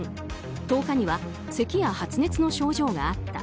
１０日にはせきや発熱の症状があった。